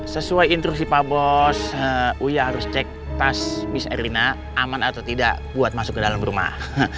sesuai instruksi pak bos uya harus cek tas bis erlina aman atau tidak buat masuk ke dalam rumah